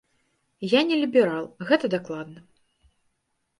Я не ліберал, гэта дакладна.